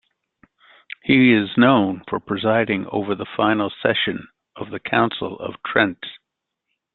He is known for presiding over the final session of the Council of Trent.